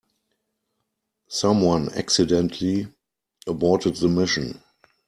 Someone accidentally aborted the mission.